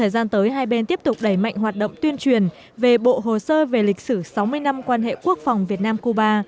hai tới hai bên tiếp tục đẩy mạnh hoạt động tuyên truyền về bộ hồ sơ về lịch sử sáu mươi năm quan hệ quốc phòng việt nam cuba